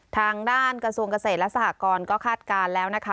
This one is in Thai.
ทางด้านกระทรวงเกษตรและสหกรก็คาดการณ์แล้วนะคะ